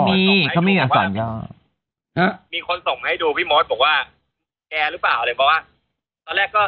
มีคนส่งให้ดูพี่ม้อนบอกว่าแกหรือเปล่า